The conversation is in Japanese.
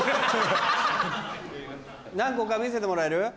何個か見せてもらえる？